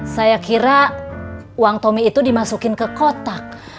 saya kira uang tommy itu dimasukin ke kotak